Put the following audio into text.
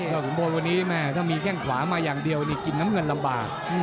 เกินชุมพลควรถ้ามีแก้งขวามาอย่างเดียวนี้กินน้ำเงินลำบาก